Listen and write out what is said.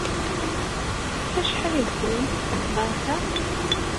Ɣef wacḥal ay d-qqlent seg tbanka?